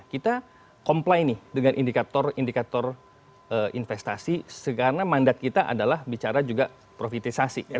kita komplaini dengan indikator indikator investasi karena mandat kita adalah profitisasi